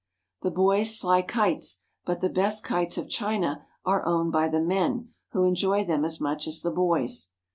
The boys fly kites, but the best kites of China are owned by the men, who enjoy them as much as the boys.